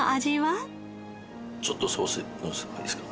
ちょっとソースのせてもいいですか。